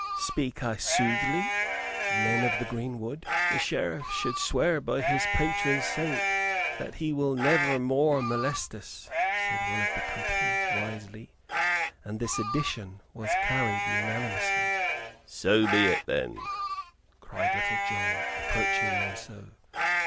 "Speak I soothly, men of the greenwood?" "The Sheriff should swear by his patron saint that he will never more molest us," said one of the company, wisely; and this addition was carried unanimously. "So be it, then," cried Little John, approaching Monceux.